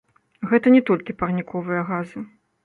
Гэта не толькі парніковыя газы.